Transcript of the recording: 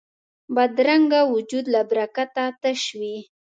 بدرنګه وجود له برکته تش وي